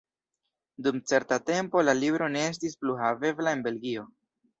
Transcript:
Dum certa tempo la libro ne estis plu havebla en Belgio.